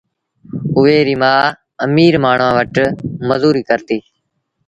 اُئي ريٚ مآ اميٚر مآڻهآݩ وٽ مزوريٚ ڪرتي